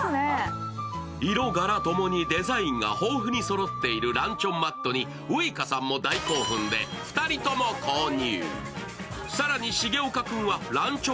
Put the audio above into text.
色・柄共にデザインが豊富にそろっているランチョンマットにウイカさんも大興奮で２人とも購入。